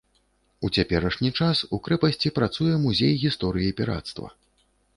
У цяперашні час у крэпасці працуе музей гісторыі пірацтва.